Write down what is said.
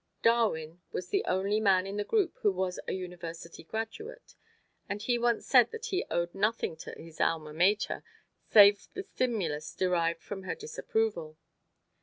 Darwin was the only man in the group who was a university graduate, and he once said that he owed nothing to his Alma Mater, save the stimulus derived from her disapproval.